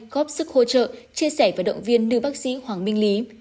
góp sức hỗ trợ chia sẻ và động viên lưu bác sĩ hoàng minh lý